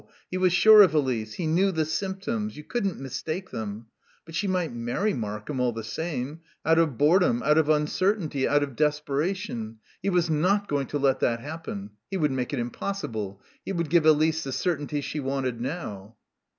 He was sure of Elise; he knew the symptoms; you couldn't mistake them. But she might marry Markham, all the same. Out of boredom, out of uncertainty, out of desperation. He was not going to let that happen; he would make it impossible; he would give Elise the certainty she wanted now.